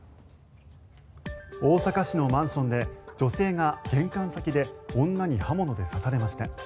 大阪市のマンションで女性が玄関先で女に刃物で刺されました。